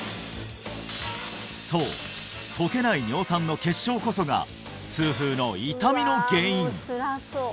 そう溶けない尿酸の結晶こそが痛風の痛みの原因